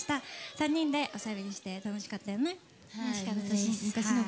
３人でチャレンジして楽しかったよね。